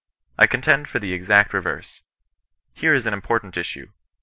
I contend for the exact re verse. Here is an important issue.